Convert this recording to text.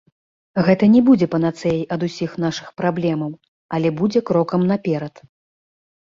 Гэта не будзе панацэяй ад усіх нашых праблемаў, але будзе крокам наперад.